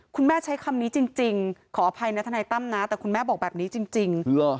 ใช้คำนี้จริงขออภัยนะทนายตั้มนะแต่คุณแม่บอกแบบนี้จริง